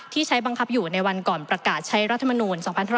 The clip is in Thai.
ที่ใช้บังคับอยู่ในวันก่อนประกาศใช้รัฐมนูล๒๕๖๒